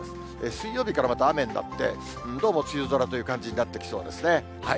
水曜日からまた雨になって、どうも梅雨空という感じになってきそうですね。